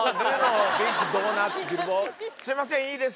「すいませんいいですか？」